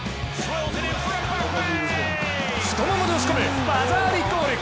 太ももで押し込む、技ありゴール。